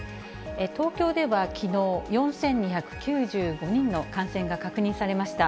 東京ではきのう、４２９５人の感染が確認されました。